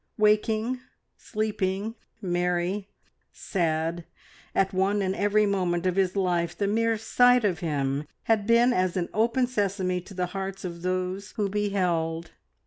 Waking, sleeping, merry, sad at one and every moment, of his life the mere sight of him had been as an open sesame to the hearts of those who beheld.